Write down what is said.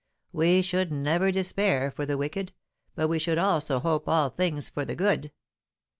We should never despair for the wicked, but we should also hope all things for the good.